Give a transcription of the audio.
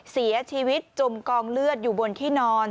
เสียชีวิตจมกองเลือดอยู่บนที่นอน